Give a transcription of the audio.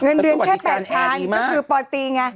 เงินเดือนแค่๘๐๐๐ก็คือปตีไง